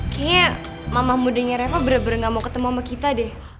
kayaknya mama mudanya revo bener bener gak mau ketemu sama kita deh